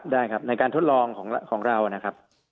ได้ครับในการทดลองของเรานะครับ